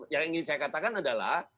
yang ingin saya katakan adalah